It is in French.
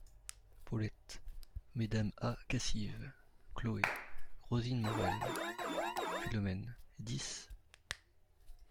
Paulette : Mmes A. Cassive Chloé : Rosine Maurel Philomèle : dix…